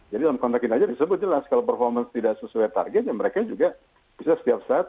jadi dalam kontrak kinerja disebut jelas kalau performance tidak sesuai target ya mereka juga bisa setiap saat